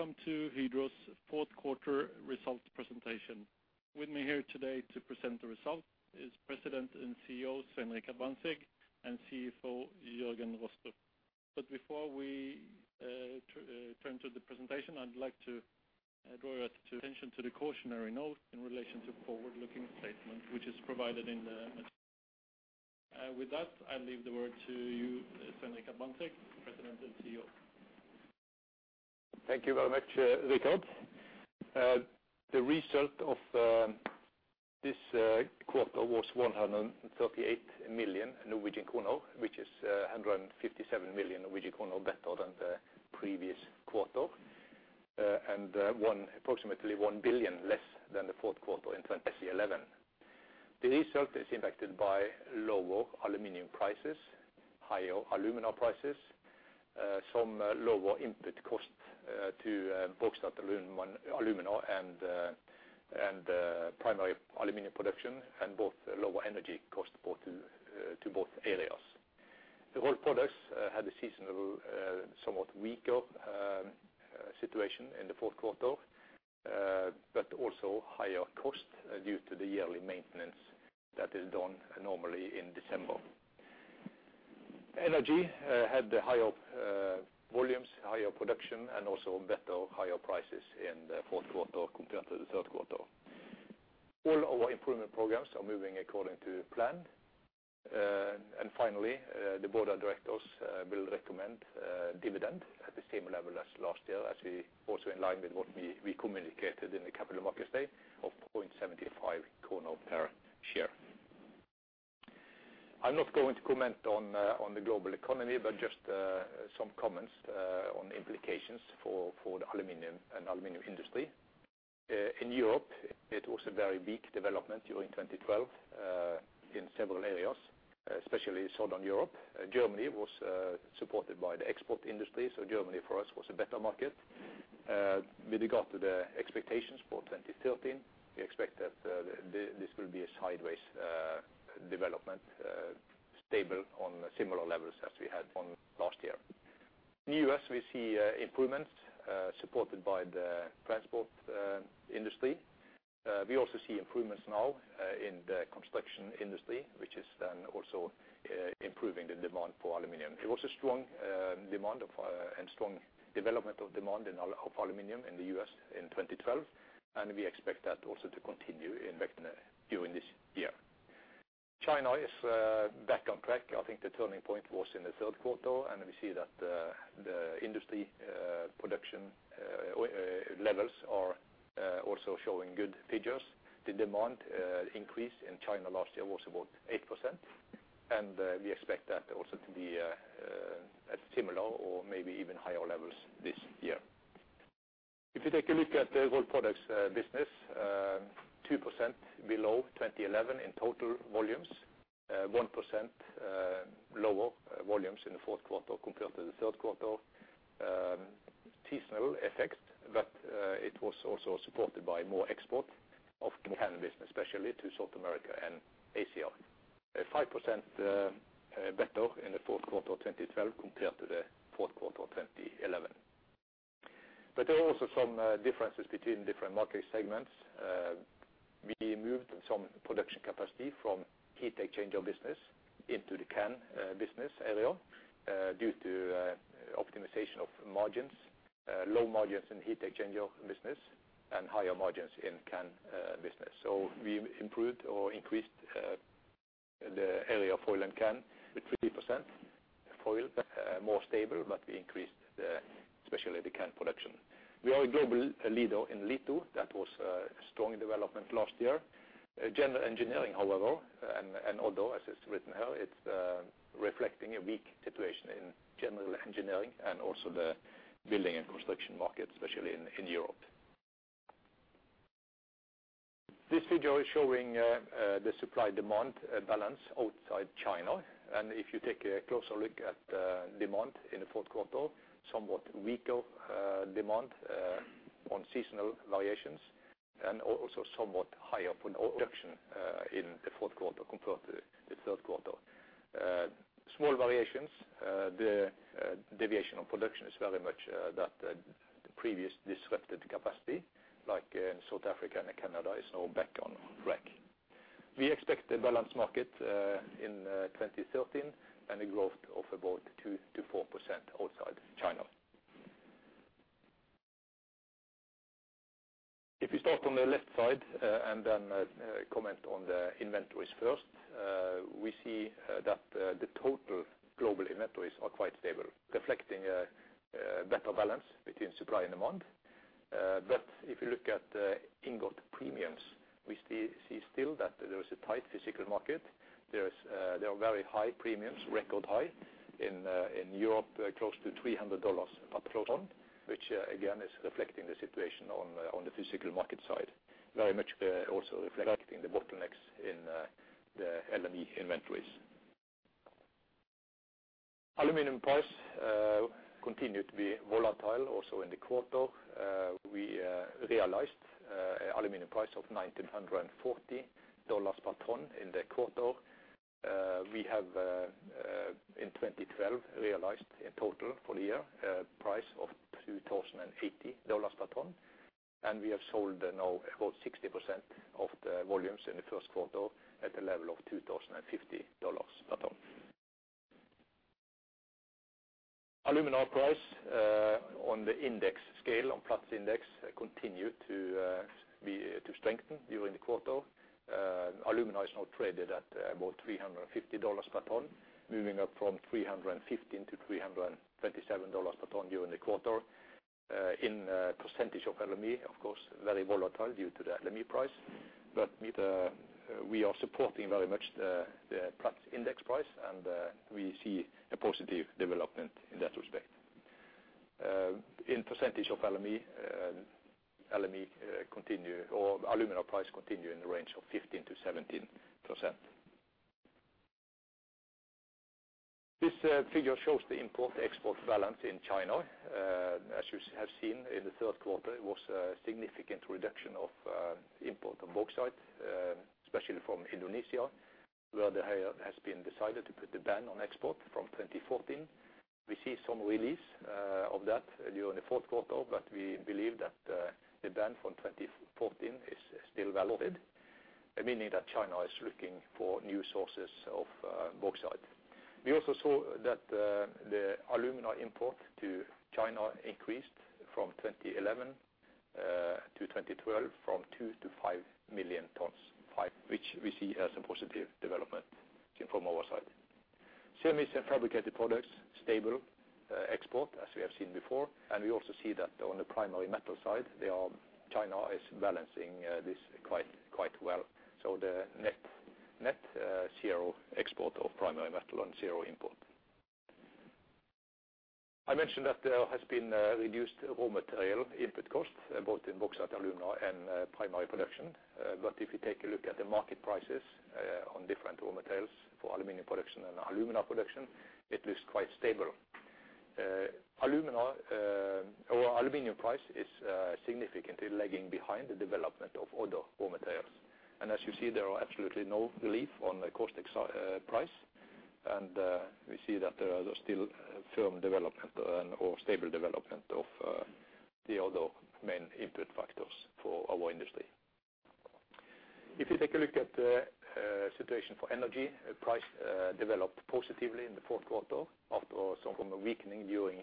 Welcome to Hydro's fourth quarter results presentation. With me here today to present the results is President and CEO, Svein Richard Brandtzæg, and CFO, Jørgen C. Arentz Rostrup. Before we turn to the presentation, I'd like to draw your attention to the cautionary note in relation to forward-looking statement, which is provided in the material. With that, I leave the word to you, Svein Richard Brandtzæg, President and CEO. Thank you very much, Richard. The result of this quarter was 138 million Norwegian kroner, which is 157 million Norwegian kroner better than the previous quarter, approximately 1 billion less than the fourth quarter in 2011. The result is impacted by lower aluminum prices, higher alumina prices, some lower input costs to Bauxite and Alumina, and primary aluminum production, and both lower energy costs to both areas. The Rolled Products had a seasonal somewhat weaker situation in the fourth quarter, but also higher costs due to the yearly maintenance that is done normally in December. Energy had the higher volumes, higher production, and also better, higher prices in the fourth quarter compared to the third quarter. All our improvement programs are moving according to plan. Finally, the board of directors will recommend a dividend at the same level as last year, also in line with what we communicated in the Capital Markets Day of 0.75 NOK per share. I'm not going to comment on the global economy, but just some comments on the implications for the aluminum industry. In Europe, it was a very weak development during 2012 in several areas, especially Southern Europe. Germany was supported by the export industry, so Germany for us was a better market. With regard to the expectations for 2013, we expect that this will be a sideways development, stable on similar levels as we had on last year. In the U.S., we see improvements supported by the transport industry. We also see improvements now in the construction industry, which is then also improving the demand for aluminum. It was a strong demand and strong development of demand in aluminum in the U.S. in 2012, and we expect that also to continue during this year. China is back on track. I think the turning point was in the third quarter, and we see that the industry production levels are also showing good figures. The demand increase in China last year was about 8%, and we expect that also to be at similar or maybe even higher levels this year. If you take a look at the Rolled Products business, 2% below 2011 in total volumes. 1% lower volumes in the fourth quarter compared to the third quarter. Seasonal effect, but it was also supported by more export of can business, especially to South America and Asia. At 5%, better in the fourth quarter of 2012 compared to the fourth quarter of 2011. There are also some differences between different market segments. We moved some production capacity from heat exchanger business into the can business area due to optimization of margins, low margins in heat exchanger business, and higher margins in can business. We improved or increased the area of foil and can with 3%. Foil, more stable, but we increased, especially the can production. We are a global leader in litho. That was a strong development last year. General engineering, however, and although, as it's written here, it's reflecting a weak situation in general engineering and also the building and construction market, especially in Europe. This figure is showing the supply-demand balance outside China. If you take a closer look at demand in the fourth quarter, somewhat weaker demand on seasonal variations, and also somewhat higher production in the fourth quarter compared to the third quarter. Small variations. The deviation of production is very much that the previous disrupted capacity, like, in South Africa and Canada is now back on track. We expect a balanced market in 2013, and a growth of about 2%-4% outside China. If you start on the left side and then comment on the inventories first, we see that the total global inventories are quite stable, reflecting a better balance between supply and demand. If you look at ingot premiums, we see still that there is a tight physical market. There are very high premiums, record high in Europe, close to $300 per ton, which again is reflecting the situation on the physical market side. Very much also reflecting the bottlenecks in the LME inventories. Aluminum price continued to be volatile also in the quarter. We realized aluminum price of $1,940 per ton in the quarter. We have in 2012 realized a total for the year, a price of $2,080 per ton, and we have sold now about 60% of the volumes in the first quarter at the level of $2,050 per ton. Alumina price on the index scale, on Platts Index, continue to strengthen during the quarter. Alumina is now traded at about $350 per ton, moving up from $315-$327 per ton during the quarter. In percentage of LME, of course, very volatile due to the LME price. We are supporting very much the Platts Index price, and we see a positive development in that respect. In percentage of LME, alumina price continues in the range of 15%-17%. This figure shows the import-export balance in China. As you have seen in the third quarter, it was a significant reduction of import of bauxite, especially from Indonesia, where there has been decided to put the ban on export from 2014. We see some release of that during the fourth quarter, but we believe that the ban from 2014 is still valid, meaning that China is looking for new sources of bauxite. We also saw that the alumina import to China increased from 2011 to 2012 from 2 million to 5 million tons, which we see as a positive development from our side. Semis and fabricated products, stable export as we have seen before. We also see that on the primary metal side, China is balancing this quite well. The net zero export of primary metal and zero import. I mentioned that there has been a reduced raw material input cost, both in bauxite, alumina, and primary production. If you take a look at the market prices on different raw materials for aluminum production and alumina production, it looks quite stable. Alumina or aluminum price is significantly lagging behind the development of other raw materials. As you see, there are absolutely no relief on the caustic soda price. We see that there are still stable development of the other main input factors for our industry. If you take a look at the situation for energy price, it developed positively in the fourth quarter after some weakening during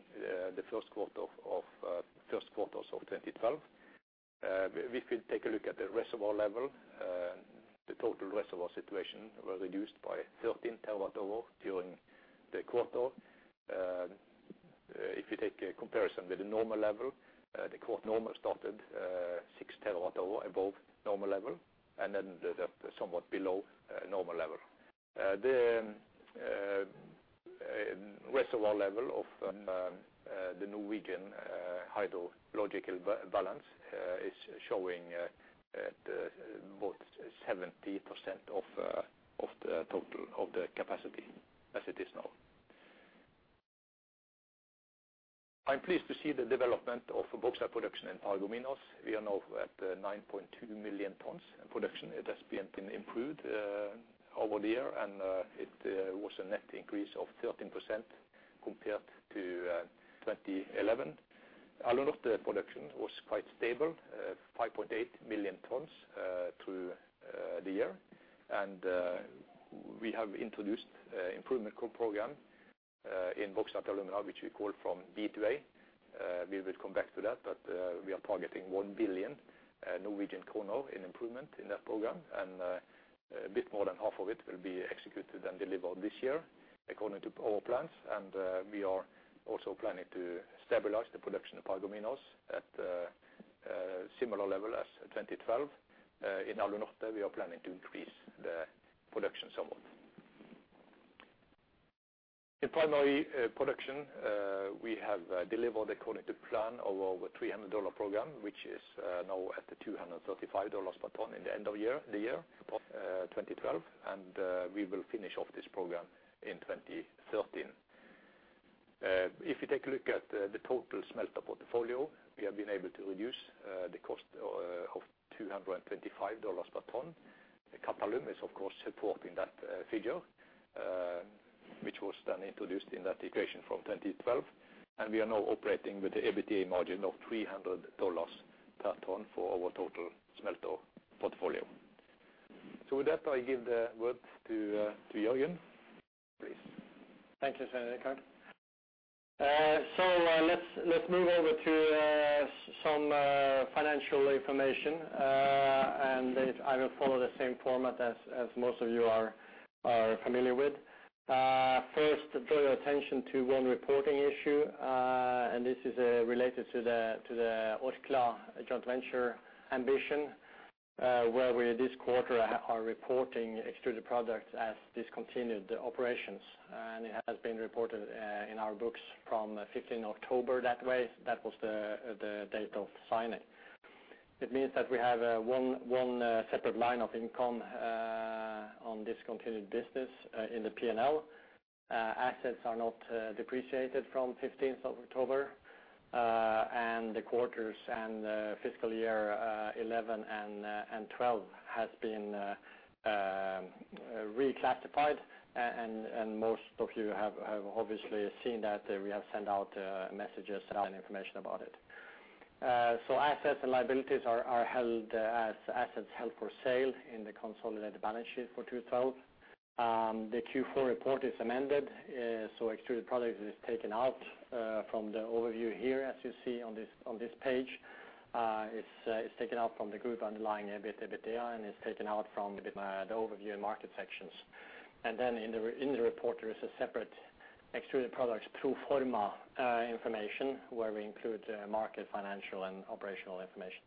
the first quarter of 2012. We could take a look at the reservoir level. The total reservoir situation was reduced by 13 TW hours during the quarter. If you take a comparison with the normal level, the normal started 6 TW hours above normal level, and ended up somewhat below normal level. The reservoir level of the Norwegian hydrological balance is showing at about 70% of the total of the capacity as it is now. I'm pleased to see the development of bauxite production in Paragominas. We are now at 9.2 million tons in production. It has been improved over the year, and it was a net increase of 13% compared to 2011. Alunorte production was quite stable, 5.8 million tons, through the year. We have introduced improvement program in bauxite alumina, which we call From B to A. We will come back to that, but we are targeting 1 billion Norwegian kroner in improvement in that program. A bit more than half of it will be executed and delivered this year according to our plans. We are also planning to stabilize the production of Paragominas at a similar level as 2012. In Alunorte, we are planning to increase the production somewhat. In primary production, we have delivered according to plan our $300 program, which is now at $235 per ton at the end of 2012. We will finish off this program in 2013. If you take a look at the total smelter portfolio, we have been able to reduce the cost of $225 per ton. Qatalum is of course supporting that figure, which was then introduced in that equation from 2012. We are now operating with the EBITDA margin of $300 per ton for our total smelter portfolio. With that, I give the word to Jørgen, please. Thank you, Svein Richard. Let's move over to some financial information. I will follow the same format as most of you are familiar with. First, draw your attention to one reporting issue, and this is related to the Orkla joint venture ambition, where we this quarter are reporting Extruded Products as discontinued operations. It has been reported in our books from 15 October that way. That was the date of signing. It means that we have one separate line of income on discontinued business in the P&L, assets are not depreciated from 15 October. The quarters and fiscal year 2011 and 2012 has been reclassified. Most of you have obviously seen that we have sent out messages and information about it. Assets and liabilities are held as assets held for sale in the consolidated balance sheet for 2012. The Q4 report is amended. Extruded Products is taken out from the overview here, as you see on this page. It's taken out from the group underlying EBIT, EBITDA, and it's taken out from the overview and market sections. Then in the report, there is a separate Extruded Products pro forma information, where we include market, financial, and operational information.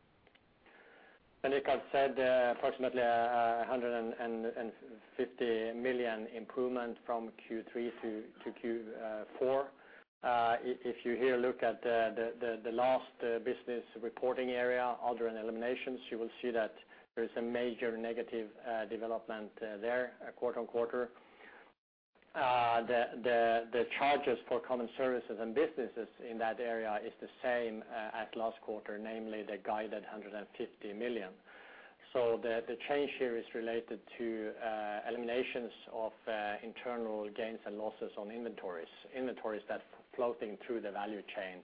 Like I've said, approximately 150 million improvement from Q3 to Q4. If you look at the last business reporting area, Other and Eliminations, you will see that there is a major negative development there quarter-on-quarter. The charges for common services and businesses in that area are the same as last quarter, namely the guided 150 million. The change here is related to eliminations of internal gains and losses on inventories that are flowing through the value chain.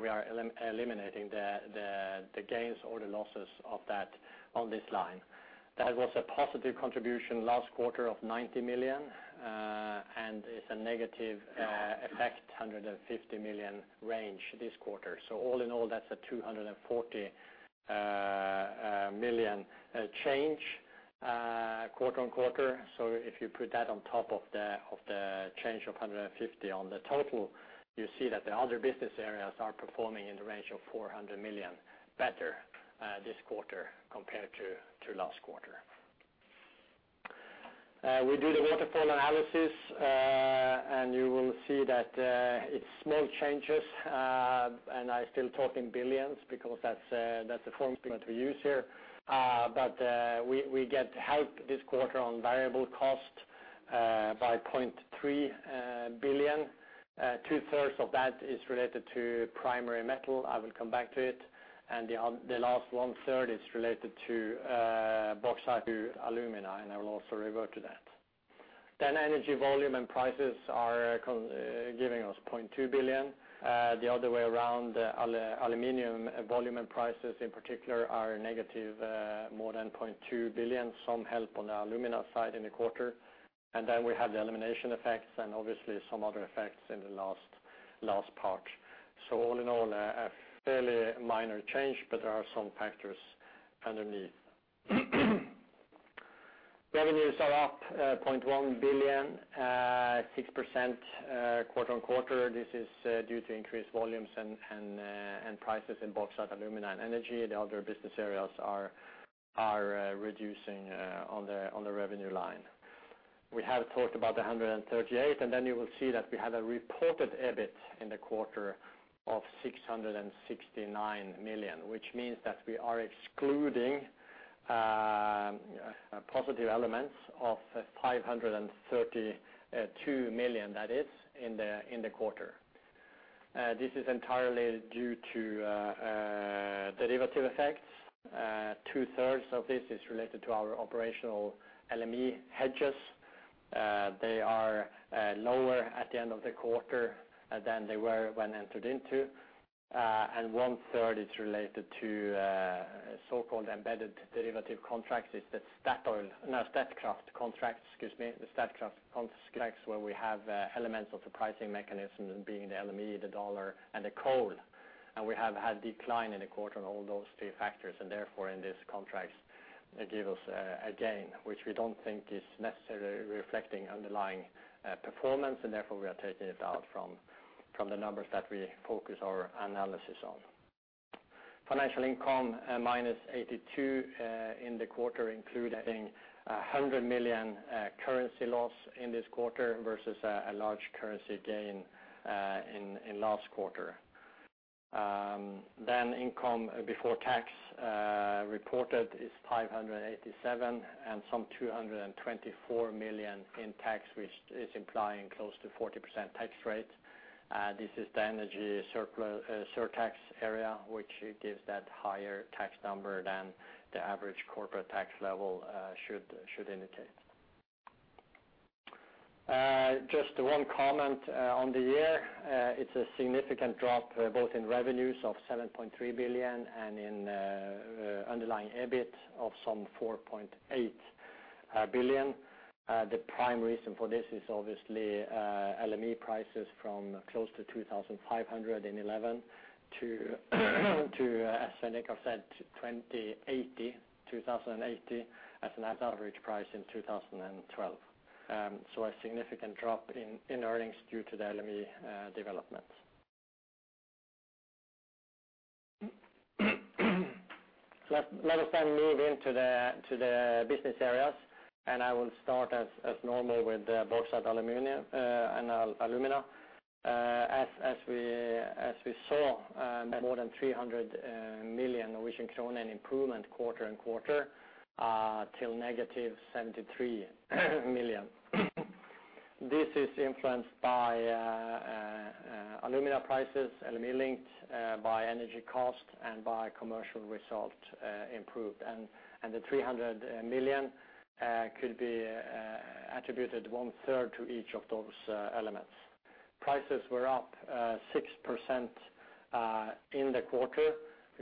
We are eliminating the gains or the losses of that on this line. That was a positive contribution last quarter of 90 million, and it's a negative effect in the 150 million range this quarter. All in all, that's a 240 million change quarter-on-quarter. If you put that on top of the change of 150 million on the total, you see that the other business areas are performing in the range of 400 million better this quarter compared to last quarter. We do the waterfall analysis, and you will see that it's small changes. I still talk in billions because that's the format we use here. We get help this quarter on variable cost by 0.3 billion. Two-thirds of that is related to Primary Metal. I will come back to it. The last one-third is related to bauxite to alumina, and I will also revert to that. Energy volume and prices are giving us 0.2 billion. The other way around, aluminum volume and prices in particular are negative, more than 0.2 billion, some help on the alumina side in the quarter. Then we have the elimination effects and obviously some other effects in the last part. All in all, a fairly minor change, but there are some factors underneath. Revenues are up 0.1 billion, 6%, quarter-on-quarter. This is due to increased volumes and prices in bauxite, alumina and energy. The other business areas are reducing on the revenue line. We have talked about the 138, and then you will see that we have a reported EBIT in the quarter of 669 million, which means that we are excluding positive elements of 532 million, that is, in the quarter. This is entirely due to derivative effects. Two-thirds of this is related to our operational LME hedges. They are lower at the end of the quarter than they were when entered into. One-third is related to so-called embedded derivative contracts. It's the Statkraft contracts, excuse me, the Statkraft contracts where we have elements of the pricing mechanism being the LME, the dollar, and the coal. We have had decline in the quarter on all those three factors, and therefore in these contracts, it give us a gain, which we don't think is necessarily reflecting underlying performance, and therefore we are taking it out from the numbers that we focus our analysis on. Financial income -82 in the quarter, including 100 million currency loss in this quarter versus a large currency gain in last quarter. Then income before tax reported is 587 million and 224 million in tax, which is implying close to 40% tax rate. This is the energy surtax area, which gives that higher tax number than the average corporate tax level should indicate. Just one comment on the year. It's a significant drop both in revenues of 7.3 billion and in underlying EBIT of some 4.8 billion. The prime reason for this is obviously LME prices from close to $2,500 in 2011 to, as Nikko said, $2,080, $2,080 as a net average price in 2012. A significant drop in earnings due to the LME developments. Let us then move into the business areas, and I will start as normal with bauxite, aluminum, and alumina. As we saw, more than 300 million Norwegian krone in improvement quarter-over-quarter till negative 73 million. This is influenced by alumina prices, LME-linked, by energy cost, and by commercial result, improved. The 300 million could be attributed one-third to each of those elements. Prices were up 6% in the quarter,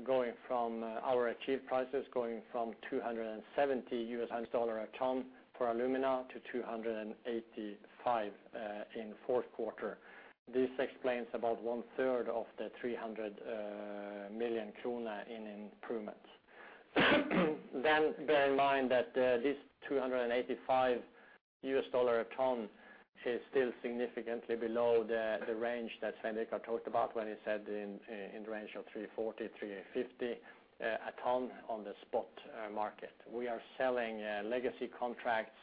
going from our achieved prices going from $270 a ton for alumina to $285 in fourth quarter. This explains about one-third of the 300 million krone in improvements. Then bear in mind that this $285 a ton is still significantly below the range that Svein Richard Brandtzæg talked about when he said in the range of 340, 350 a ton on the spot market. We are selling legacy contracts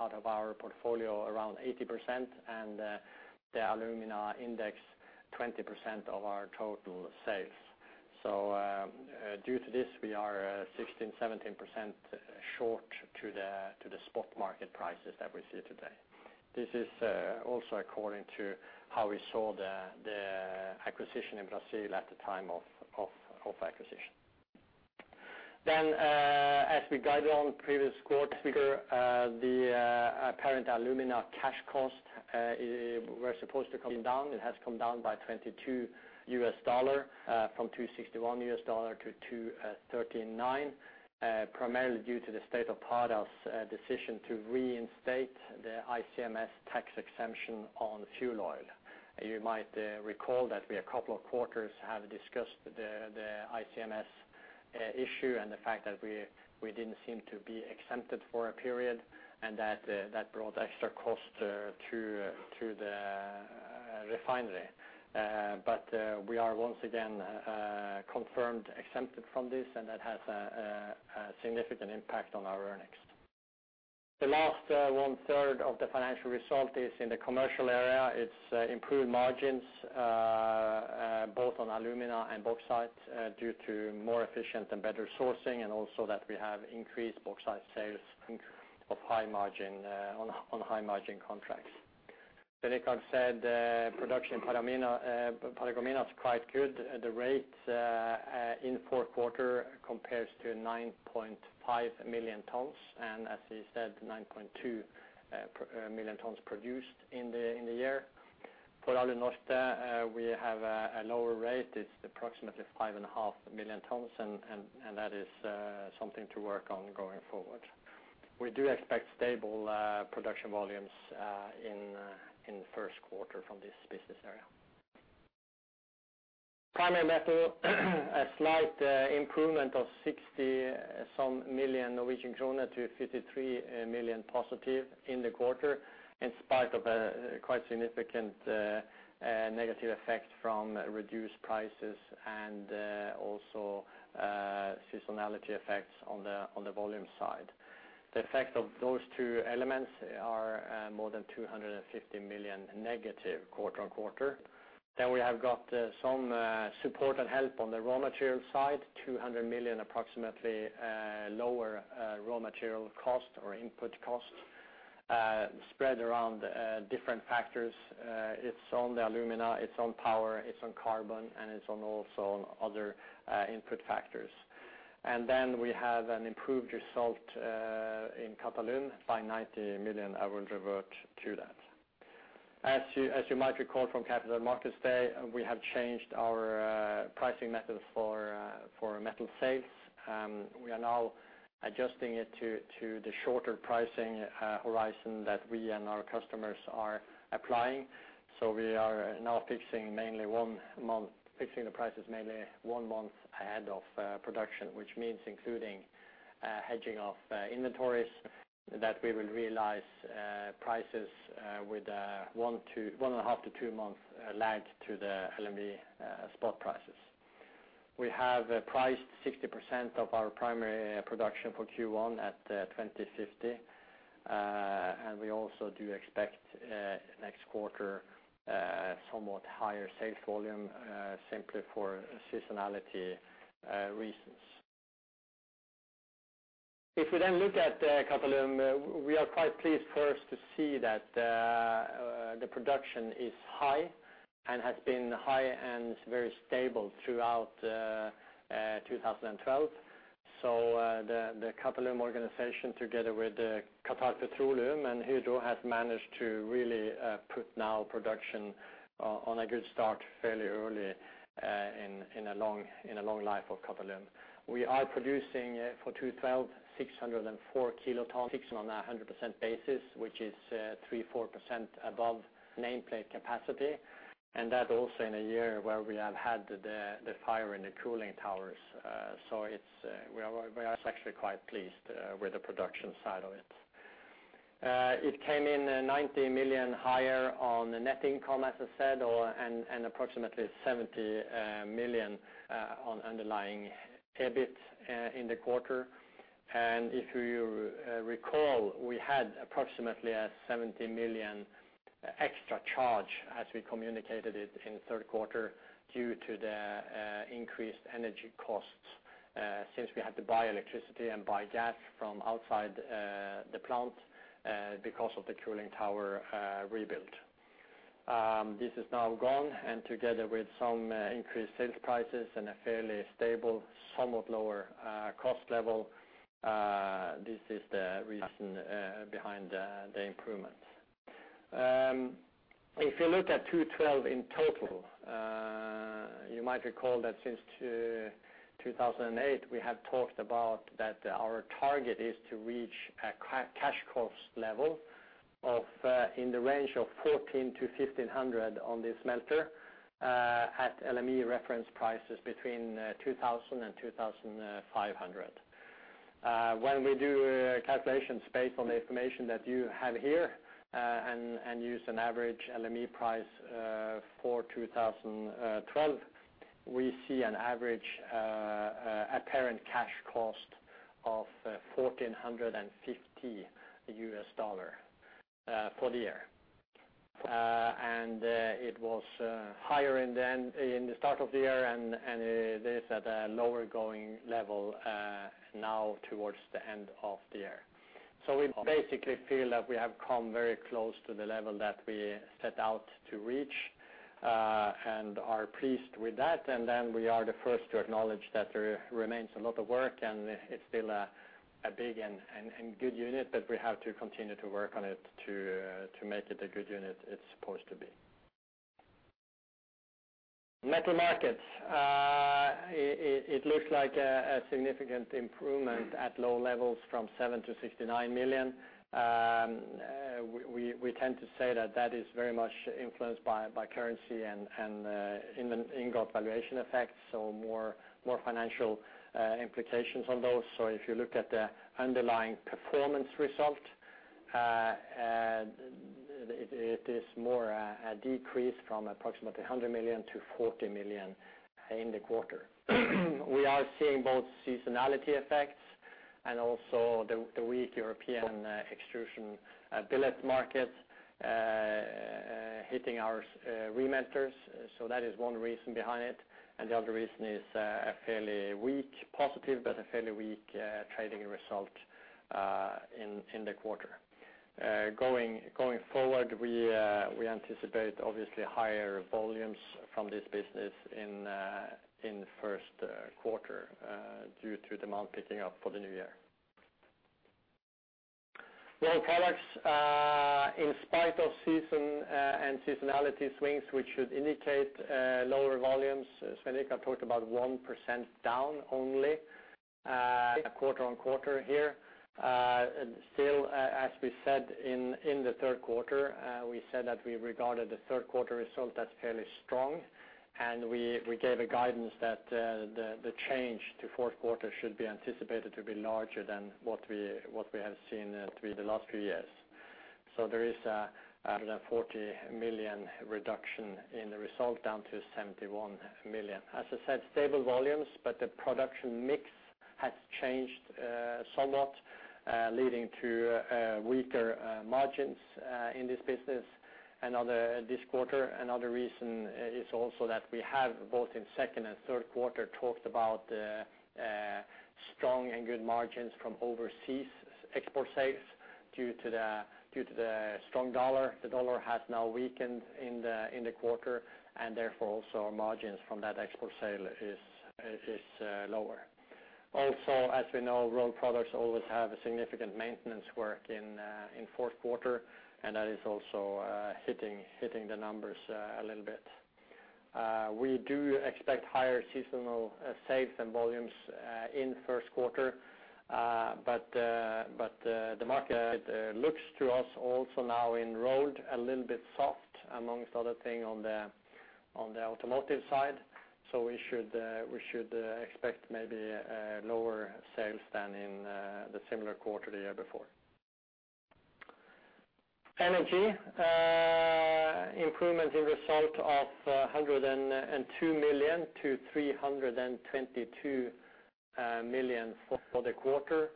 out of our portfolio around 80% and the alumina index 20% of our total sales. Due to this we are 16%-17% short to the spot market prices that we see today. This is also according to how we saw the acquisition in Brazil at the time of acquisition. As we guided on previous quarter, the apparent alumina cash cost were supposed to come down. It has come down by $22 from $261 to $239, primarily due to the state of Pará's decision to reinstate the ICMS tax exemption on fuel oil. You might recall that we a couple of quarters have discussed the ICMS issue and the fact that we didn't seem to be exempted for a period, and that brought extra cost to the refinery. We are once again confirmed exempted from this, and that has a significant impact on our earnings. The last one-third of the financial result is in the commercial area. It's improved margins both on alumina and bauxite due to more efficient and better sourcing, and also that we have increased bauxite sales of high margin on high margin contracts. Svein Richard Brandtzæg said production in Paragominas is quite good. The rates in the fourth quarter compares to 9.5 million tons, and as he said, 9.2 million tons produced in the year. For Alunorte, we have a lower rate. It's approximately 5.5 million tons and that is something to work on going forward. We do expect stable production volumes in the first quarter from this business area. Primary Metal, a slight improvement of 60-some million Norwegian kroner to 53 million positive in the quarter, in spite of a quite significant negative effect from reduced prices and also seasonality effects on the volume side. The effect of those two elements are more than 250 million negative quarter-on-quarter. We have got some support and help on the raw material side, approximately 200 million lower raw material cost or input cost spread around different factors. It's on the alumina, it's on power, it's on carbon, and it's also on other input factors. We have an improved result in Qatalum by 90 million. I will revert to that. As you might recall from Capital Markets Day, we have changed our pricing methods for metal sales. We are now adjusting it to the shorter pricing horizon that we and our customers are applying. We are now fixing the prices mainly one month ahead of production, which means including hedging of inventories that we will realize prices with one to one and five to two months lag to the LME spot prices. We have priced 60% of our primary production for Q1 at $2,050. We also do expect next quarter somewhat higher sales volume simply for seasonality reasons. If we then look at Qatalum, we are quite pleased first to see that the production is high and has been high and very stable throughout 2012. The Qatalum organization together with Qatar Petroleum and Hydro has managed to really put our production on a good start fairly early in a long life of Qatalum. We are producing for 2012 604 kt based on a 100% basis, which is 3%-4% above nameplate capacity, and that also in a year where we have had the fire in the cooling towers. We are actually quite pleased with the production side of it. It came in 90 million higher on the net income, as I said, and approximately 70 million on underlying EBIT in the quarter. If you recall, we had approximately a 70 million extra charge as we communicated it in the third quarter due to the increased energy costs since we had to buy electricity and buy gas from outside the plant because of the cooling tower rebuild. This is now gone and together with some increased sales prices and a fairly stable, somewhat lower cost level, this is the reason behind the improvement. If you look at 2012 in total, you might recall that since 2008, we have talked about that our target is to reach a cash cost level of, in the range of $1,400-$1,500 on the smelter, at LME reference prices between $2,000-$2,500. When we do calculations based on the information that you have here, and use an average LME price for 2012, we see an average apparent cash cost of $1,450 for the year. It was higher then in the start of the year, and it is at a lower level now towards the end of the year. We basically feel that we have come very close to the level that we set out to reach, and are pleased with that. We are the first to acknowledge that there remains a lot of work, and it's still a big and good unit, but we have to continue to work on it to make it the good unit it's supposed to be. Metal Markets. It looks like a significant improvement at low levels from 7 million-69 million. We tend to say that that is very much influenced by currency and in the ingot valuation effects, so more financial implications on those. If you look at the underlying performance result, it is more a decrease from approximately 100 million-40 million in the quarter. We are seeing both seasonality effects and also the weak European extrusion billet market hitting our scrap remelters. That is one reason behind it. The other reason is a fairly weak positive, but a fairly weak trading result in the quarter. Going forward, we anticipate obviously higher volumes from this business in the first quarter due to demand picking up for the new year. Rolled Products in spite of seasonality swings, which should indicate lower volumes, Svein Richard Brandtzæg had talked about 1% down only quarter-on-quarter here. Still, as we said in the third quarter, we said that we regarded the third quarter result as fairly strong, and we gave a guidance that the change to fourth quarter should be anticipated to be larger than what we have seen through the last few years. There is a 140 million reduction in the result down to 71 million. As I said, stable volumes, but the production mix has changed somewhat, leading to weaker margins in this business this quarter. Another reason is also that we have both in second and third quarter talked about strong and good margins from overseas export sales due to the strong dollar. The dollar has now weakened in the quarter, and therefore also our margins from that export sale is lower. Also, as we know, Rolled Products always have a significant maintenance work in fourth quarter, and that is also hitting the numbers a little bit. We do expect higher seasonal sales and volumes in first quarter, but the market looks to us also now in Rolled a little bit soft amongst other things on the automotive side. We should expect maybe lower sales than in the similar quarter the year before. Energy improvement in result of 102 million to 322 million for the quarter,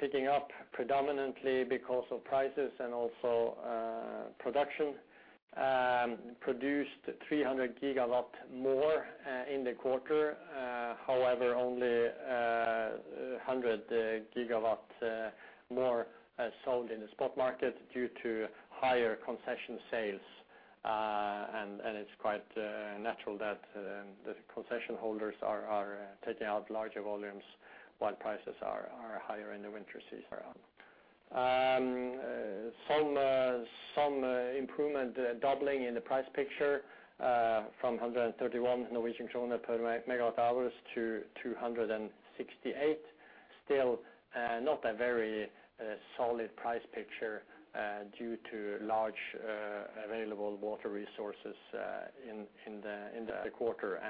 picking up predominantly because of prices and also production. Produced 300 GW more in the quarter. However, only 100 GW more sold in the spot market due to higher concession sales. It's quite natural that the concession holders are taking out larger volumes while prices are higher in the winter season around. Some improvement doubling in the price picture from 131 Norwegian kroner per MWh to 268. Still not a very solid price picture due to large available water resources in the quarter.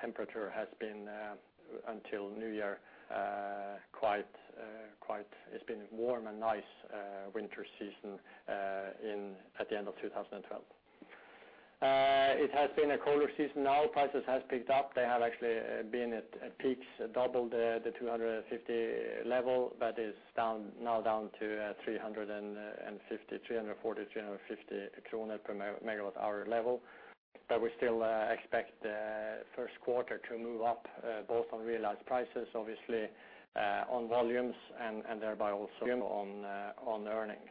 Temperature has been until New Year quite. It's been warm and nice winter season at the end of 2012. It has been a colder season now. Prices has picked up. They have actually been at peaks double the 250 level, but is now down to 340-350 kroner per MWh level. We still expect the first quarter to move up both on realized prices obviously on volumes and thereby also on earnings.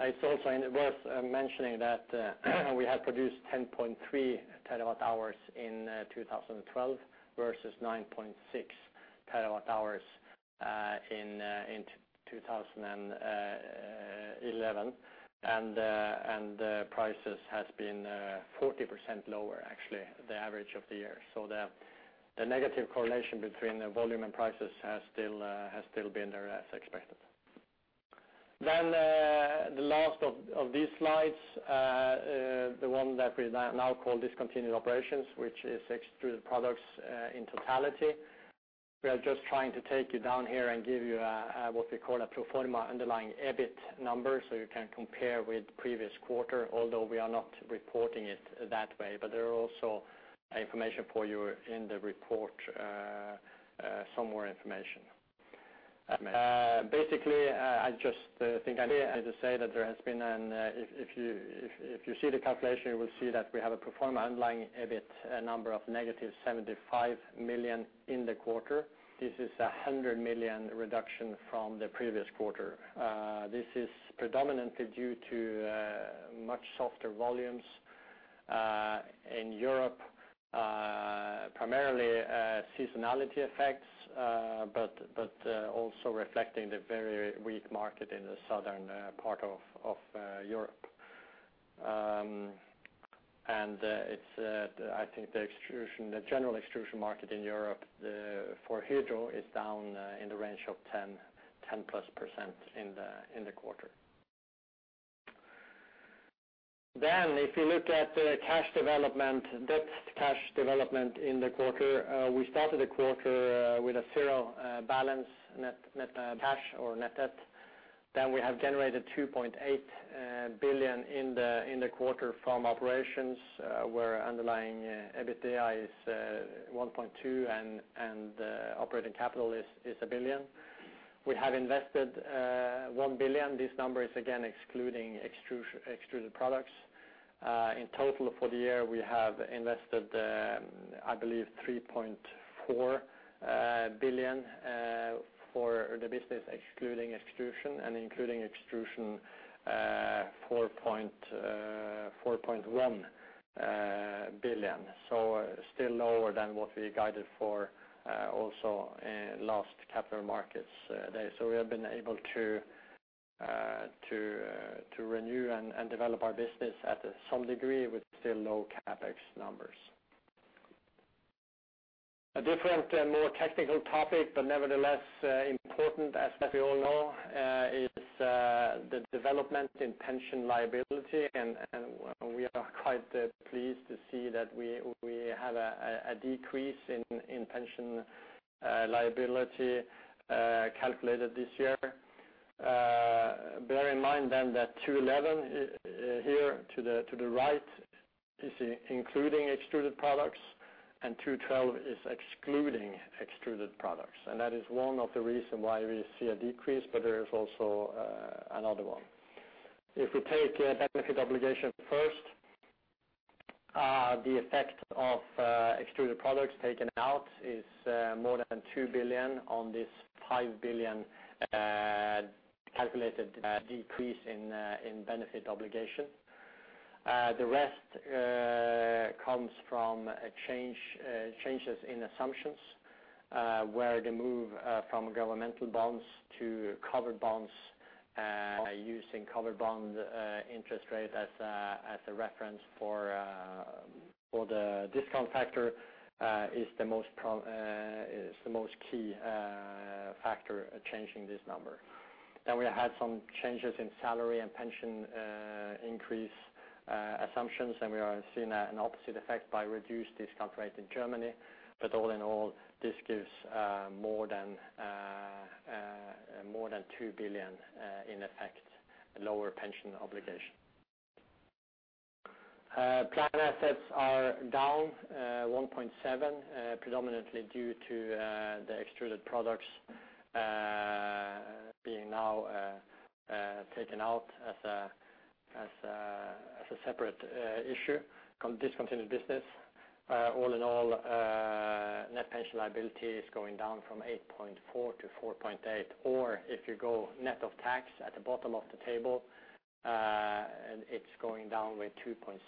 It's also worth mentioning that we have produced 10.3 TWh in 2012 versus 9.6 TWh in 2011. The prices has been 40% lower actually the average of the year. The negative correlation between the volume and prices has still been there as expected. The last of these slides, the one that we now call discontinued operations, which is Extruded Products, in totality. We are just trying to take you down here and give you what we call a pro forma underlying EBIT number, so you can compare with previous quarter, although we are not reporting it that way. There are also information for you in the report, some more information. Basically, I just think I need to say that there has been an if you see the calculation, you will see that we have a pro forma underlying EBIT number of -75 million in the quarter. This is a 100 million reduction from the previous quarter. This is predominantly due to much softer volumes in Europe primarily seasonality effects, but also reflecting the very weak market in the southern part of Europe. It's, I think, the extrusion, the general extrusion market in Europe for Hydro is down in the range of +10% in the quarter. If you look at the net cash development in the quarter, we started the quarter with a zero balance net cash or net debt. We have generated 2.8 billion in the quarter from operations, where underlying EBITDA is 1.2 billion and operating capital is 1 billion. We have invested 1 billion. This number is again excluding extruded products. In total for the year, we have invested, I believe 3.4 billion for the business excluding extrusion and including extrusion, 4.1 billion. Still lower than what we guided for, also last Capital Markets Day. We have been able to to renew and develop our business at some degree with still low CapEx numbers. A different and more technical topic, but nevertheless, important as we all know, is the development in pension liability. We are quite pleased to see that we have a decrease in pension liability calculated this year. Bear in mind that 2011 here to the right is including Extruded Products, and 2012 is excluding Extruded Products. That is one of the reason why we see a decrease, but there is also another one. If we take a benefit obligation first, the effect of Extruded Products taken out is more than 2 billion on this 5 billion calculated decrease in benefit obligation. The rest comes from changes in assumptions, where the move from government bonds to covered bonds, using covered bond interest rate as a reference for the discount factor, is the most key factor changing this number. We had some changes in salary and pension increase assumptions, and we are seeing an opposite effect by reduced discount rate in Germany. All in all, this gives more than 2 billion in effect lower pension obligation. Plan assets are down 1.7 billion, predominantly due to the Extruded Products being now taken out as a separate issue, discontinued operations. All in all, net pension liability is going down from 8.4 billion to 4.8 billion, or if you go net of tax at the bottom of the table, it's going down with 2.6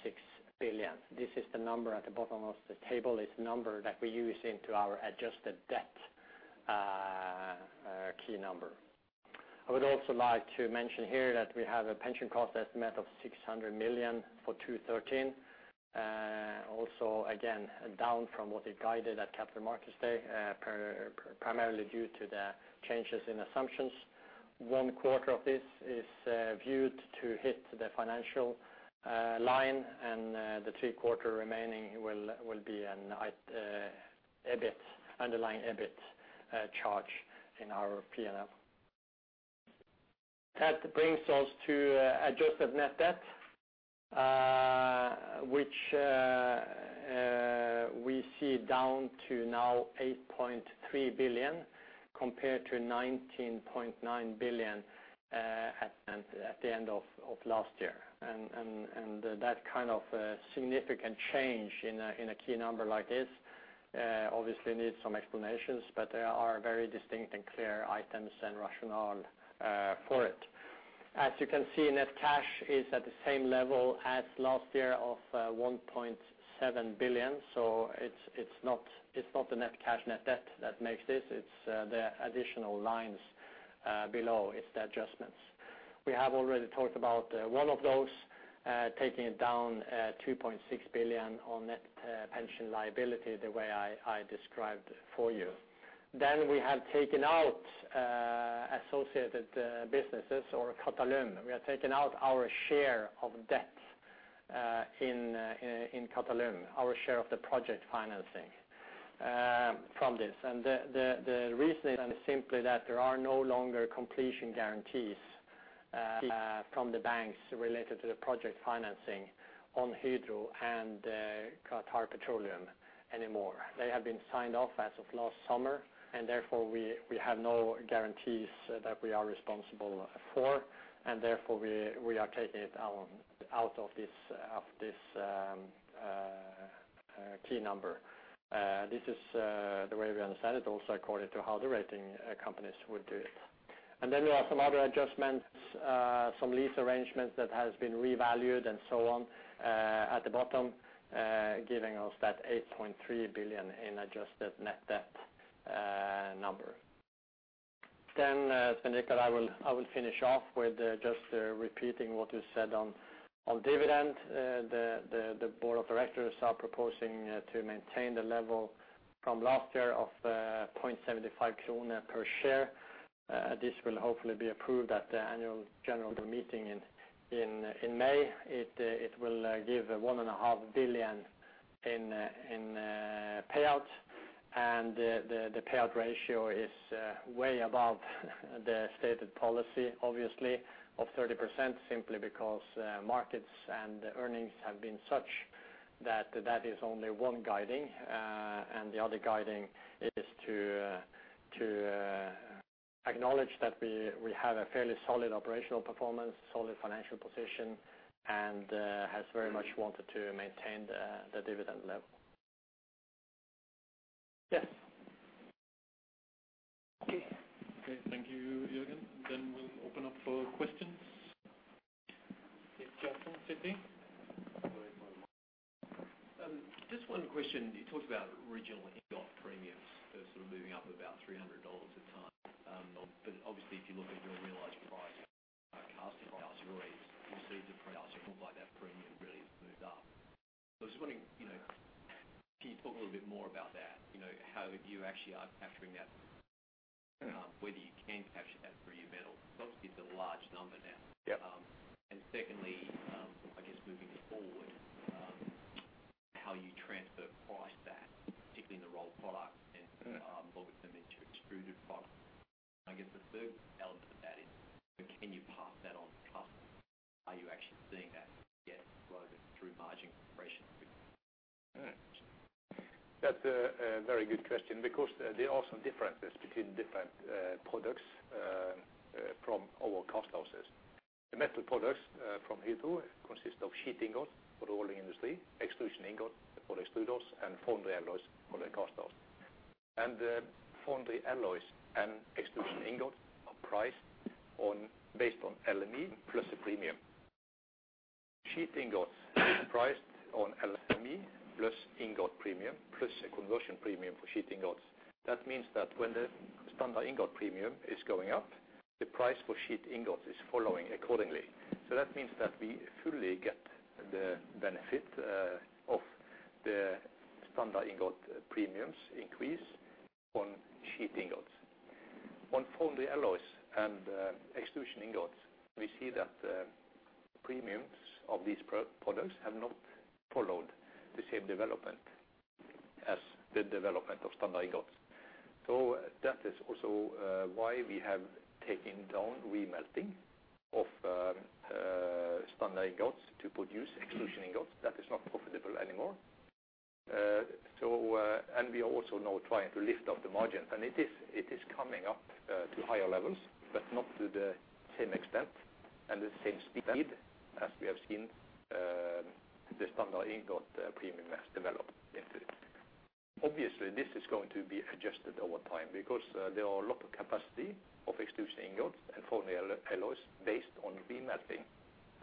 billion. This is the number at the bottom of the table. It's the number that we use into our adjusted debt key number. I would also like to mention here that we have a pension cost estimate of 600 million for 2013. Also again, down from what we guided at Capital Markets Day, primarily due to the changes in assumptions. One quarter of this is viewed to hit the financial line, and the three quarters remaining will be an EBIT, underlying EBIT, charge in our P&L. That brings us to adjusted net debt, which we see down to now 8.3 billion compared to 19.9 billion at the end of last year. That kind of significant change in a key number like this obviously needs some explanations, but there are very distinct and clear items and rationale for it. As you can see, net cash is at the same level as last year of 1.7 billion. So it's not the net cash, net debt that makes this, it's the additional lines below, it's the adjustments. We have already talked about one of those, taking it down 2.6 billion on net pension liability, the way I described for you. Then we have taken out associated businesses or Qatalum. We have taken out our share of debt in Qatalum, our share of the project financing from this. The reasoning is simply that there are no longer completion guarantees from the banks related to the project financing on Hydro and Qatar Petroleum anymore. They have been signed off as of last summer, and therefore we have no guarantees that we are responsible for, and therefore we are taking it out of this key number. This is the way we understand it, also according to how the rating companies would do it. Then there are some other adjustments, some lease arrangements that has been revalued and so on, at the bottom, giving us that 8.3 billion in adjusted net debt number. Then, Svein Richard Brandtzæg, I will finish off with just repeating what you said on dividend. The board of directors are proposing to maintain the level from last year of 0.75 krone per share. This will hopefully be approved at the annual general meeting in May. It will give 1.5 billion in payouts, and the payout ratio is way above the stated policy, obviously, of 30%, simply because markets and earnings have been such that that is only one guiding. The other guiding is to acknowledge that we have a fairly solid operational performance, solid financial position, and has very much wanted to maintain the dividend level. Yes. Okay. Thank you, Jørgen. We'll open up for questions. Yes, Justin, Citi. Just one question. You talked about regional ingot premiums as sort of moving up about $300 a ton. Obviously, if you look into the realized price, casting price you received the price, it looks like that premium really has moved up. I was just wondering, you know, can you talk a little bit more about that? You know, how you actually are capturing that, whether you can capture that for your metal. Obviously, it's a large number now. Yep. Secondly, I guess moving forward, how you transfer price back, particularly in the Rolled Products and logistically to Extruded Products. I guess the third element of that is, can you pass that on to customers? Are you actually seeing that yet rather through margin compression? That's a very good question, because there are some differences between different products from our cast houses. The metal products from Hydro consist of sheet ingot for the rolling industry, extrusion ingot for extruders, and foundry alloys for the cast house. The foundry alloys and extrusion ingot are priced based on LME plus a premium. Sheet ingots are priced on LME plus ingot premium, plus a conversion premium for sheet ingots. That means that when the standard ingot premium is going up, the price for sheet ingots is following accordingly. That means that we fully get the benefit of the standard ingot premiums increase on sheet ingots. On foundry alloys and extrusion ingots, we see that the premiums of these products have not followed the same development as the development of standard ingots. That is also why we have taken down remelting of standard ingots to produce extrusion ingots. That is not profitable anymore. We are also now trying to lift up the margins. It is coming up to higher levels, but not to the same extent and the same speed as we have seen the standard ingot premium has developed into it. Obviously, this is going to be adjusted over time because there are a lot of capacity of extrusion ingots and foundry alloys based on remelting,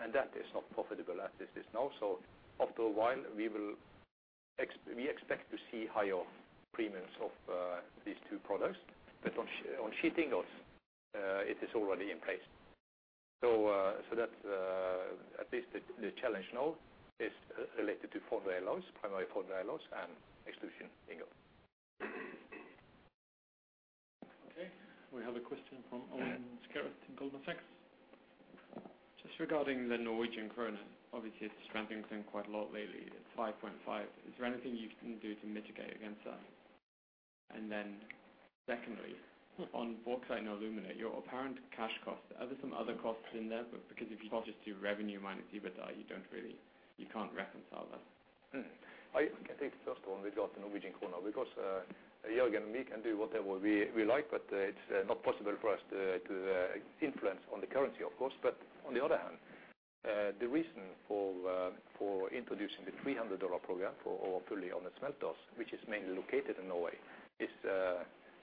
and that is not profitable as it is now. After a while we will expect to see higher premiums of these two products. On sheet ingots, it is already in place. That's at least the challenge now is related to foundry alloys, primary foundry alloys, and extrusion ingot. Okay. We have a question from Evy Hambro in Goldman Sachs. Just regarding the Norwegian kroner, obviously it's strengthening quite a lot lately, it's 5.5. Is there anything you can do to mitigate against that? Then secondly, on bauxite and alumina, your apparent cash costs, are there some other costs in there? Because if you just do revenue minus EBITDA, you don't really, you can't reconcile that. I can take the first one with regards to Norwegian kroner, because Jørgen and me can do whatever we like, but it's not possible for us to influence on the currency, of course. On the other hand, the reason for introducing the $300 per ton program for all fully owned smelters, which is mainly located in Norway, is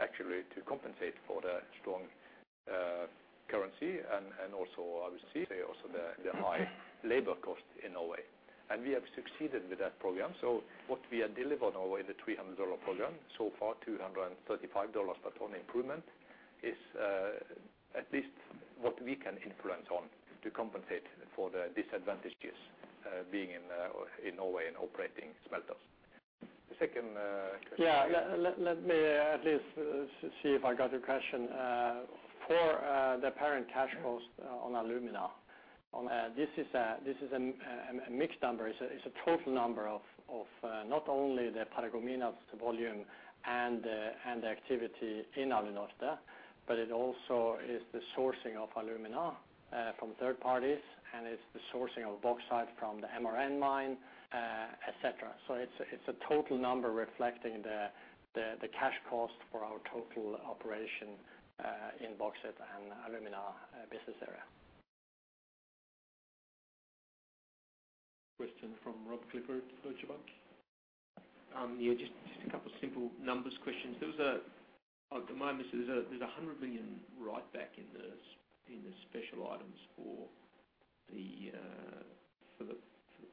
actually to compensate for the strong currency and also obviously the high labor cost in Norway. We have succeeded with that program. What we have delivered in Norway, the $300 per ton program, so far $235 per ton improvement, is at least what we can influence on to compensate for the disadvantages being in Norway and operating smelters. The second question. Yeah. Let me at least see if I got your question. For the apparent cash costs on alumina. Oh, this is a mixed number. It's a total number of not only the Paragominas volume and the activity in Alunorte, but it also is the sourcing of alumina from third parties, and it's the sourcing of bauxite from the MRN mine, et cetera. It's a total number reflecting the cash costs for our total operation in bauxite and alumina business area. Question from Robert Clifford at Deutsche Bank. Yeah, just a couple simple numbers questions. At the moment, there's a 100 million write back in the special items for the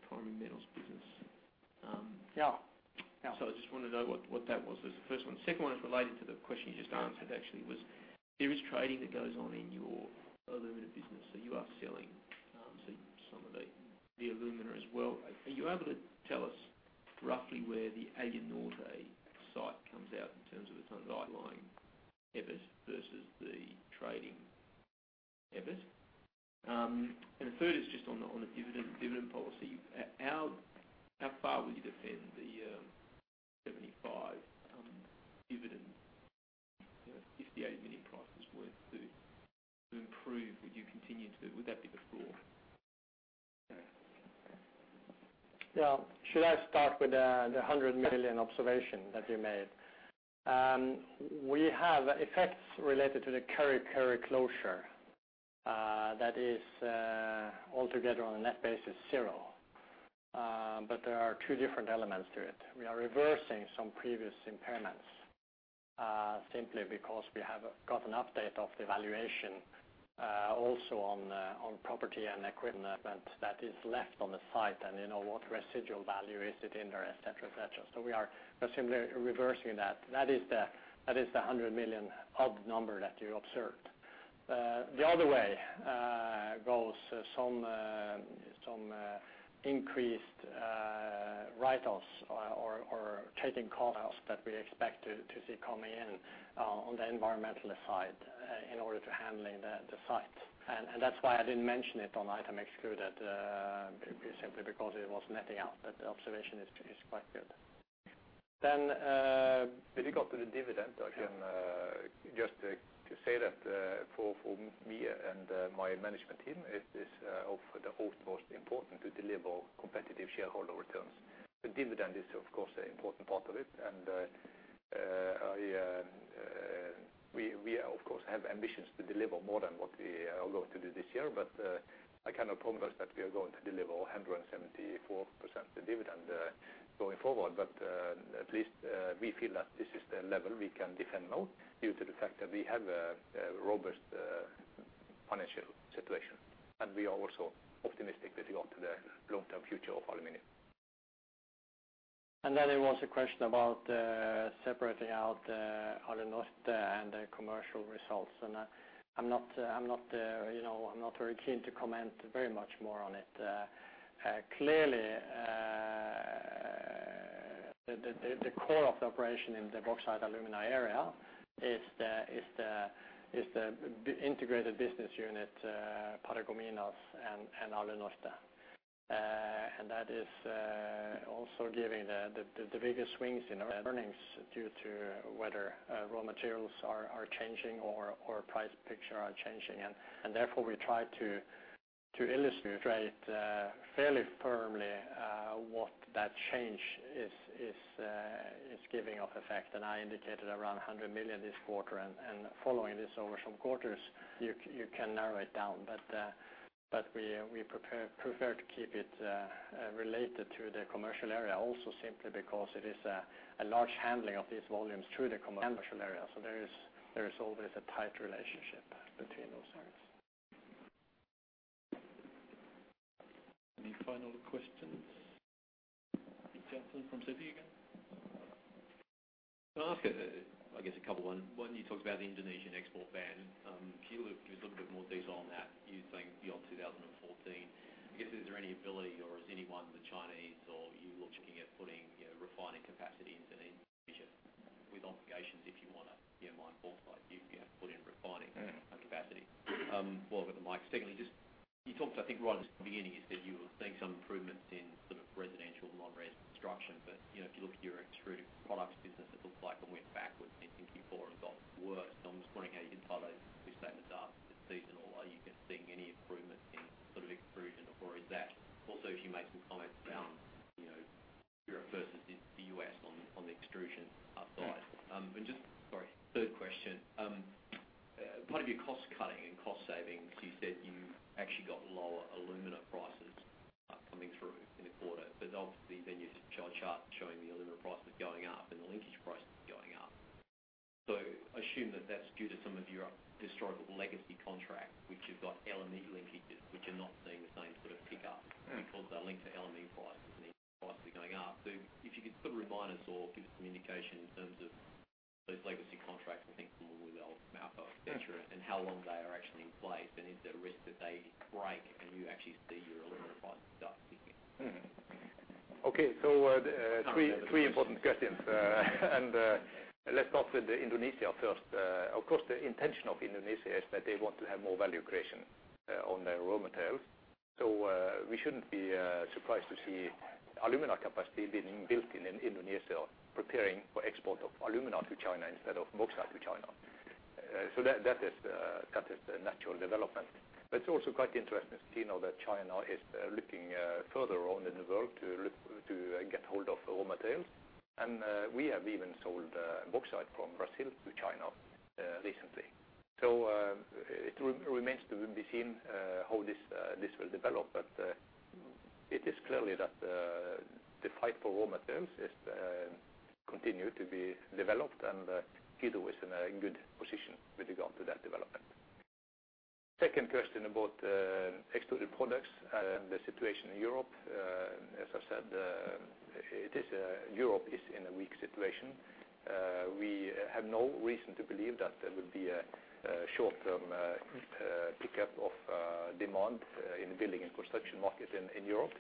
Primary Metal business. Yeah. I just wanted to know what that was. That's the first one. Second one is related to the question you just answered, actually. Is there trading that goes on in your alumina business, so you are selling some of the alumina as well. Are you able to tell us roughly where the Alunorte site comes out in terms of its underlying EBIT versus the trading EBIT? The third is just on the dividend policy. How far will you defend the 75 NOK dividend if the aluminum price were to improve? Would you continue to? Would that be the floor? Well, should I start with the 100 million observation that you made? We have effects related to the Kurri Kurri closure that is all together on a net basis zero. But there are two different elements to it. We are reversing some previous impairments simply because we have got an update of the valuation also on property and equipment that is left on the site and you know what residual value is it in there et cetera. We are simply reversing that. That is the 100 million odd number that you observed. The other way goes some increased write-offs or trading call-outs that we expect to see coming in on the environmental side in order to handling the site. That's why I didn't mention it as an excluded item, simply because it was netting out, but the observation is quite good. If you go to the dividend, I can just to say that for me and my management team, it is of the utmost important to deliver competitive shareholder returns. The dividend is, of course, an important part of it. We of course have ambitions to deliver more than what we are going to do this year. I cannot promise that we are going to deliver 174% the dividend going forward. At least we feel that this is the level we can defend now due to the fact that we have a robust financial situation. We are also optimistic with regard to the long-term future of aluminum. Then there was a question about separating out Alunorte and the commercial results, and I'm not, you know, very keen to comment very much more on it. Clearly, the core of the operation in the Bauxite Alumina area is the integrated business unit, Paragominas and Alunorte. That is also giving the biggest swings in our earnings due to whether raw materials are changing or price picture are changing. Therefore, we try to illustrate fairly firmly what that change is giving off effect. I indicated around 100 million this quarter. Following this over some quarters, you can narrow it down. We prefer to keep it related to the commercial area also simply because it is a large handling of these volumes through the commercial area. There is always a tight relationship between those areas. Any final questions? The gentleman from Citi again. Can I ask, I guess, a couple. One, you talked about the Indonesian export ban. Can you give us a little bit more detail on that? You're saying beyond 2014- I guess, is there any ability or is anyone, the Chinese or you, looking at putting, you know, refining capacity into the equation with obligations if you want to, you know, mine bauxite. You can put in refining. Mm-hmm. Capacity. While I've got the mic. Secondly, just, you talked, I think right at the beginning, you said you were seeing some improvements in sort of residential and non-res construction. You know, if you look at your extruded products business, it looks like it went backwards in Q4 and got worse. I'm just wondering how you can tie those two statements up. Is it seasonal or are you guys seeing any improvements in sort of extrusion or is that. Also if you make some comments around, you know, Europe versus the US on the extrusion side. And just. Sorry, third question. Part of your cost cutting and cost savings, you said you actually got lower alumina prices coming through in the quarter. But obviously then your chart showing the alumina prices going up and the LME prices going up. I assume that that's due to some of your historical legacy contract, which you've got LME linkages which are not seeing the same sort of pickup. Mm. Because they're linked to LME prices and LME prices are going up. If you could sort of remind us or give us some indication in terms of those legacy contracts and things from Alunorte et cetera, and how long they are actually in place, and is there a risk that they break and you actually see your alumina prices start ticking up? Mm-hmm. Okay. Sorry Three important questions. Let's start with Indonesia first. Of course, the intention of Indonesia is that they want to have more value creation on their raw materials. We shouldn't be surprised to see alumina capacity being built in Indonesia preparing for export of alumina to China instead of bauxite to China. That is the natural development. But it's also quite interesting to know that China is looking further on in the world to get hold of raw materials. We have even sold bauxite from Brazil to China recently. It remains to be seen how this will develop. It is clear that the fight for raw materials is continue to be developed and Hydro is in a good position with regard to that development. Second question about Extruded Products and the situation in Europe. As I said, Europe is in a weak situation. We have no reason to believe that there will be a short-term pickup of demand in the building and construction market in Europe.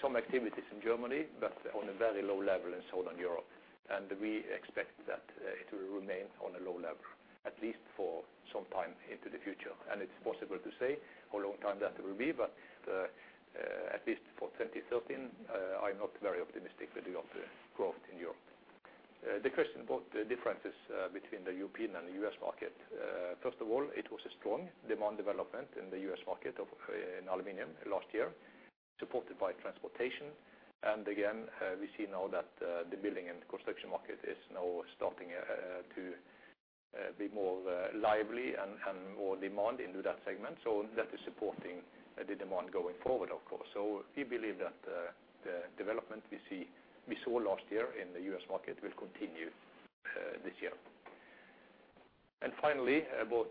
Some activities in Germany, but on a very low level and so in Europe. We expect that it will remain on a low level at least for some time into the future. It's possible to say how long time that will be, but at least for 2013, I'm not very optimistic with regard to growth in Europe. The question about the differences between the European and the U.S. market. First of all, it was a strong demand development in the U.S. market in aluminum last year, supported by transportation. We see now that the building and construction market is now starting to be more lively and more demand into that segment. That is supporting the demand going forward, of course. We believe that the development we saw last year in the U.S. market will continue this year. Finally, about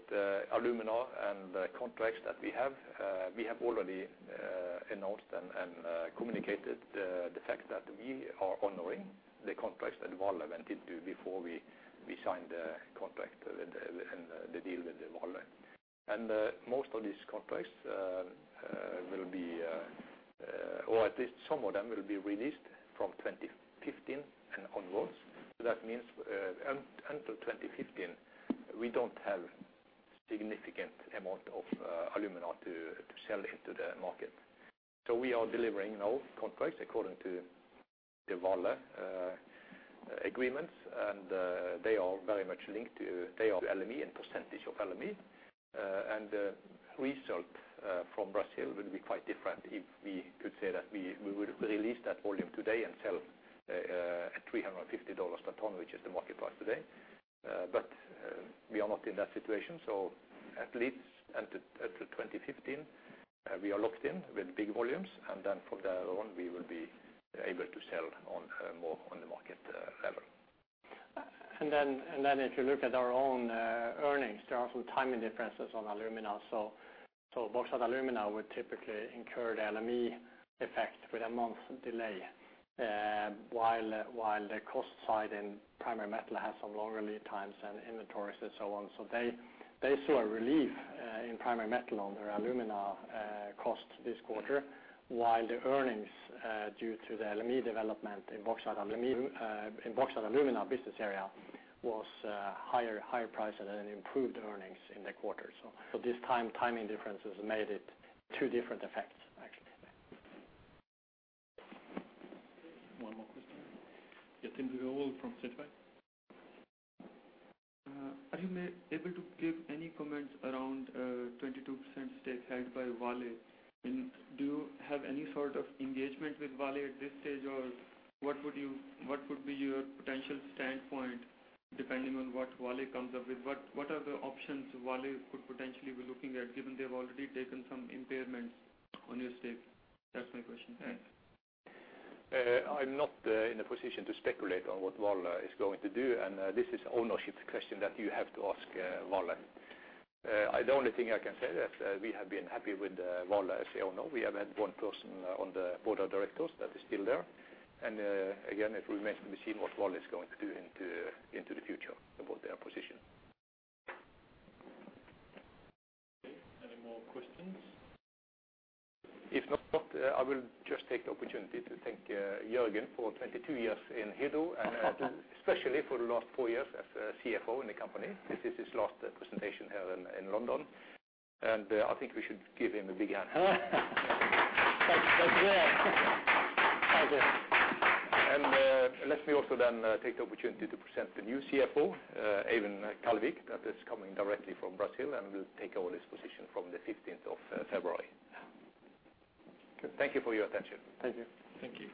alumina and the contracts that we have. We have already announced and communicated the fact that we are honoring the contracts that Vale entered into before we signed the contract in the deal with Vale. Most of these contracts, or at least some of them, will be released from 2015 and onwards. That means until 2015, we don't have significant amount of alumina to sell into the market. We are delivering now contracts according to the Vale agreements. They are very much linked to. They are LME and percentage of LME. The result from Brazil will be quite different if we could say that we would release that volume today and sell at $350 a ton, which is the market price today. We are not in that situation. At least until 2015, we are locked in with big volumes, and then from there on, we will be able to sell on more on the market level. If you look at our own earnings, there are some timing differences on alumina. Bauxite Alumina would typically incur the LME effect with a month delay, while the cost side in Primary Metal has some longer lead times and inventories and so on. They saw a relief in Primary Metal on their alumina cost this quarter, while the earnings due to the LME development in Bauxite Alumina business area was higher price and improved earnings in the quarter. This time, timing differences made it two different effects actually. One more question. Yatin Pujara from Citigroup. Are you able to give any comments around 22% stake held by Vale? Do you have any sort of engagement with Vale at this stage? Or what would be your potential standpoint depending on what Vale comes up with? What are the options Vale could potentially be looking at, given they've already taken some impairments on your stake? That's my question. Thanks. I'm not in a position to speculate on what Vale is going to do, and this is ownership question that you have to ask Vale. The only thing I can say that we have been happy with Vale as a owner. We have had one person on the board of directors that is still there. It remains to be seen what Vale is going to do into the future about their position. Okay, any more questions? If not, I will just take the opportunity to thank Jørgen for 22 years in Hydro and especially for the last four years as CFO in the company. This is his last presentation here in London, and I think we should give him a big hand. Thank you. Thank you. Let me also then take the opportunity to present the new CFO, Eivind Kallevik, that is coming directly from Brazil, and will take over this position from the fifteenth of February. Yeah. Thank you for your attention. Thank you. Thank you.